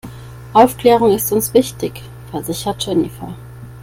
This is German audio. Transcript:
Aufklärung ist uns wichtig, versichert Jennifer.